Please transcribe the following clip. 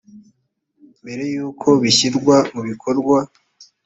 mbere y’ uko bishyirwa mu bikorwa